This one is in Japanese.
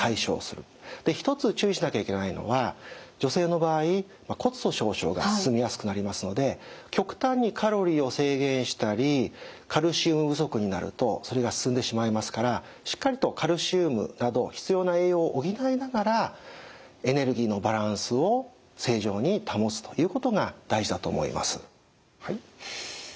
一つ注意しなきゃいけないのは女性の場合骨粗しょう症が進みやすくなりますので極端にカロリーを制限したりカルシウム不足になるとそれが進んでしまいますからしっかりとカルシウムなど必要な栄養を補いながらエネルギーのバランスを正常に保つということが大事だと思います。